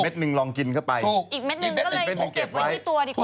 เม็ดหนึ่งลองกินเข้าไปถูกอีกเม็ดหนึ่งก็เลยอีกเม็ดหนึ่งเก็บไว้ที่ตัวดีกว่า